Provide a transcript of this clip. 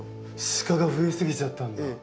シカが増え過ぎちゃったんだ。